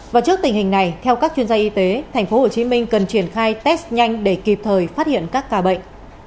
và trước tình hình này theo các chuyên gia y tế tp hcm cần triển khai test nhanh để kịp thời phát hiện các ca bệnh